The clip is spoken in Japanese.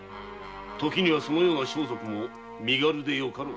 時にはその装束も身軽でよかろう。